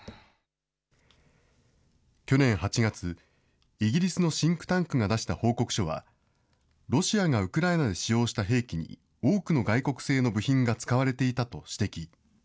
去年８月、イギリスのシンクタンクが出した報告書は、ロシアがウクライナで使用した兵器に、多くの外国製の部品が使われていたと指摘。